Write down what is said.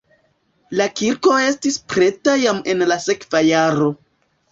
La kirko estis preta jam en la sekva jaro.